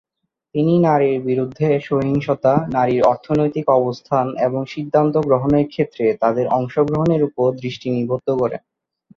তিনি নারীর বিরুদ্ধে সহিংসতা, নারীর অর্থনৈতিক অবস্থান এবং সিদ্ধান্ত গ্রহণের ক্ষেত্রে তাদের অংশগ্রহণের উপর দৃষ্টি নিবদ্ধ করেন।